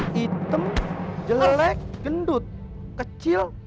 hitam jelek gendut kecil